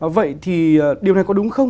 vậy thì điều này có đúng không